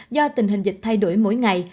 do tình hình dịch thay đổi mỗi ngày